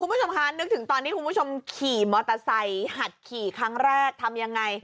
คุณผู้ชมคะนึกถึงตอนที่คุณผู้ชมขี่มอเตอร์ไซค์หัดขี่ครั้งแรกทำยังไง